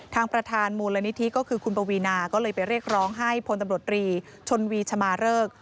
ทางประธานมูลนิธิก็คือคุณปวีนาก็เลยไปเรียกร้องให้พลตำรวจรีชนวีชมาเริก